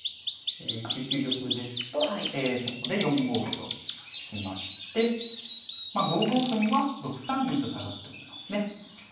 ９九玉ですとそこで４五歩と突きましてまあ５五歩には６三銀と下がっておきますね。